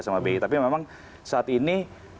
sama bi tapi memang saat ini